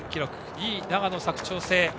２位は長野・佐久長聖。